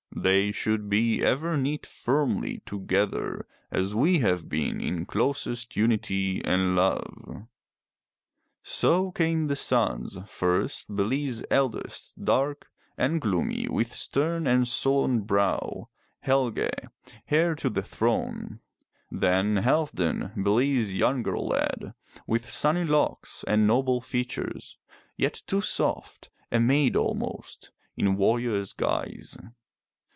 They should be ever knit firmly together as we have been in closest unity and love." 339 MY BOOK HOUSE So came the sons — first Bele's eldest, dark and gloomy with stern and sullen brow, HeFge, heir to the throne, then Half dan, Bele's younger lad, with sunny locks and noble features, yet too soft, — a maid almost, in warrior's guise.